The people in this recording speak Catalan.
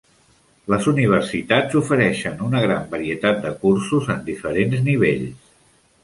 Les universitats ofereixen una gran varietat de cursos en diferents nivells.